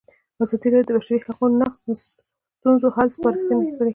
ازادي راډیو د د بشري حقونو نقض د ستونزو حل لارې سپارښتنې کړي.